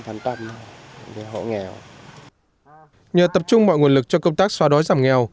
nhờ tập trung mọi nguồn lực cho công tác xóa đói giảm nghèo